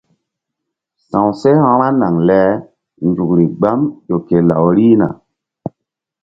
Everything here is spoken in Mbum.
Sa̧wseh vba naŋ le nzukri gbam ƴo ke law rihna.